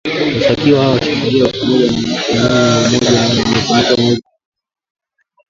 Washtakiwa hao wa kiraia ni pamoja na wanawake wanane, mmoja wao alikamatwa mwezi uliopita akiwa na risasi